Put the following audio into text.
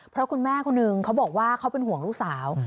เพราะคุณแม่คนนึงเขาบอกว่าเขาเป็นห่วงลูกสาว